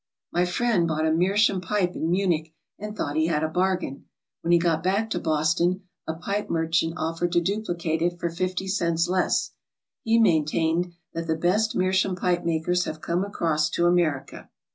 My friend bought a meerschaum pipe in Munich and thought he had a bargain. When he got back to Boston a pipe merchant offered to duplicate it for fifty cents less; he maintained that the best meerschaum pipe makers have come across to America.